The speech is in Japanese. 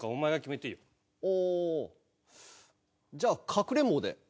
じゃあかくれんぼで。